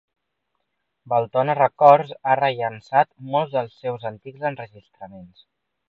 Beltona Records ha rellançat molts dels seus antics enregistraments.